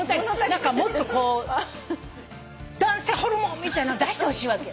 何かもっとこう男性ホルモンみたいなの出してほしいわけ。